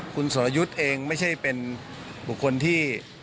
คุณสรยุทธ์เองไม่ใช่เป็นบุคคลที่